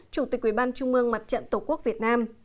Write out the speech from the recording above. chủ tịch quy ban trung ương mặt trận tổ quốc việt nam